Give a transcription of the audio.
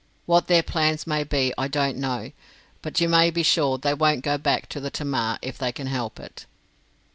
What their plans may be, I don't know; but you may be sure they won't go back to the Tamar, if they can help it."